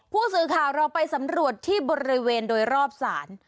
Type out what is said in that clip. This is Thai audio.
ผู้สื่อข่าวเราไปสำรวจที่บริเวณโดยรอบศาล